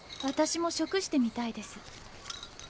わたしも食してみたいです。